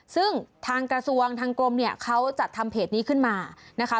ซึ่งทางกระทรวงทางกรมเนี่ยเขาจัดทำเพจนี้ขึ้นมานะคะ